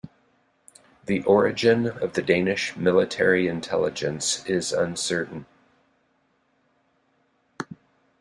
The origin of the Danish military intelligence is uncertain.